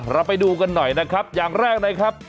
เราไปดูกันหน่อยนะครับอย่างแรกนะครับ